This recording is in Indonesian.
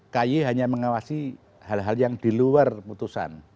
kay hanya mengawasi hal hal yang di luar putusan